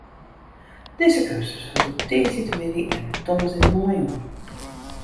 Dizze kursus wurdt op tiisdeitemiddei en tongersdeitemoarn jûn.